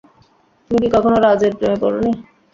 তুমি কি কখনও রাজের প্রেমে পড়নি?